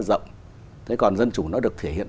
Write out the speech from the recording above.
rộng thế còn dân chủ nó được thể hiện